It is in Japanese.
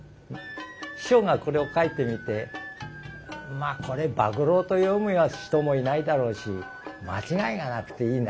師匠がこれを書いてみて「まあこれ伯楽と読む人もいないだろうし間違いがなくていいな。